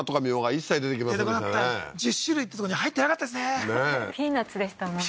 一切出てきませんでしたね出てこなかった１０種類ってとこに入ってなかったですねピーナツでしたもんね